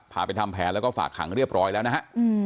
ไปทำแผนแล้วก็ฝากขังเรียบร้อยแล้วนะฮะ